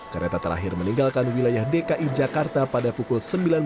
kereta terakhir meninggalkan wilayah dki jakarta pada pukul sembilan belas